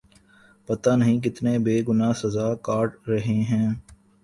پتا نہیں کتنے بے گنا سزا کاٹ رہے ہیں